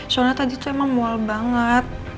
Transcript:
soalnya tadi tuh emang mual banget